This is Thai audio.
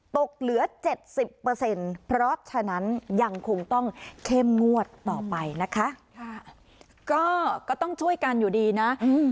ตกเหลือเจ็ดสิบเปอร์เซ็นต์เพราะฉะนั้นยังคงต้องเข้มงวดต่อไปนะคะค่ะก็ก็ต้องช่วยกันอยู่ดีน่ะ